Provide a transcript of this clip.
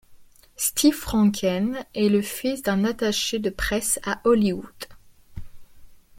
Steve Franken est le fils d'un attaché de presse à Hollywood.